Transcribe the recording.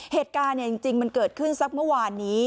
เหตุการณ์จริงมันเกิดขึ้นสักเมื่อวานนี้